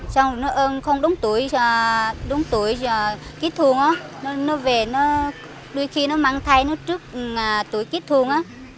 xong rồi nó ơn không đúng tuổi kết thương nó về đôi khi nó mang thay trước tuổi kết thương